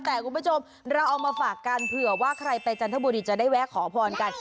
แต่คุณผู้ชมเราเอามาฝากกันเผื่อว่าใครไปจันทบุรีจะได้แวะขอพรกัน